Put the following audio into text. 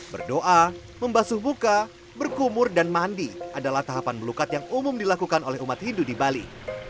berdoa membasuh buka berkumur dan mandi adalah tahapan melukat yang umum dilakukan oleh umat hindu di bali